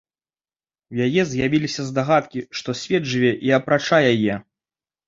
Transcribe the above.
У яе з'явіліся здагадкі, што свет жыве і апрача яе.